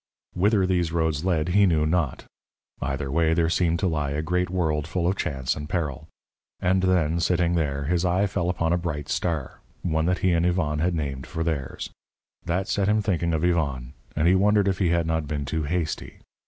_ Whither these roads led he knew not. Either way there seemed to lie a great world full of chance and peril. And then, sitting there, his eye fell upon a bright star, one that he and Yvonne had named for theirs. That set him thinking of Yvonne, and he wondered if he had not been too hasty.